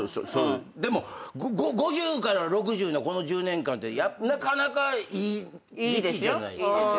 でも５０から６０のこの１０年間ってなかなかいい時期じゃないですか。